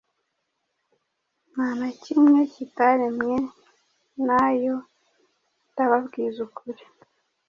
ntanakimwe kitaremwe nayo ndababwiza ukuri